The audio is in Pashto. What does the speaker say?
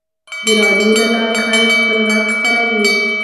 د راډیو له لارې خلک خپل غږ خپروي.